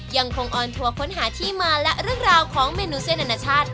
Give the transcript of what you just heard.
ออนทัวร์ค้นหาที่มาและเรื่องราวของเมนูเส้นอนาชาติ